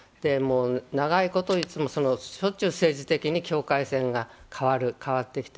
長いこと、しょっちゅう政治的に境界線が変わってきた。